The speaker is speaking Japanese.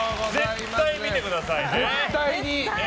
絶対見てくださいね。